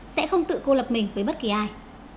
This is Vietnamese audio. sẽ không tự cô lập mình với bất kỳ ai